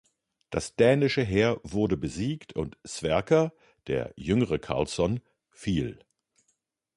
Das dänische Heer wurde besiegt und Sverker der Jüngere Karlsson fiel.